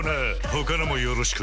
他のもよろしく